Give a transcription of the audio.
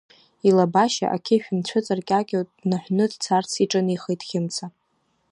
Илабашьа ақьышә нцәыҵаркьакьо днаҳәны дцарц иҿынеихеит Хьымца.